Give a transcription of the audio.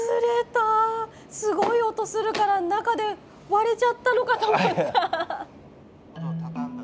すごい音するから中で割れちゃったのかと思った。